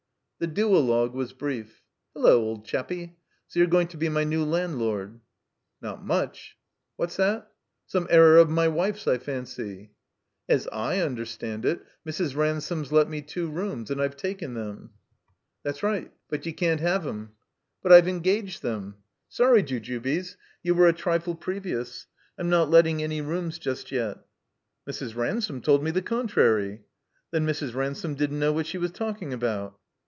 The duologue was brief. '' Hello, old chappy. So you're going to be my new landlord?" 'Not muchr "What's that?'* "Some error of my wife's, I fancy." "As / understand it Mrs. Ransome's let me two rooms, and I've taken them." That's right. But you can't have 'em." But I've engaged them." "Sorry, Jujubes. You were a trifle previous. I'm not letting any rooms just yet." "Mrs. Ransome told me the contrary." "Then Mrs. Ransome didn't know what she was talking about."